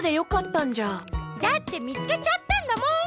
だってみつけちゃったんだもん。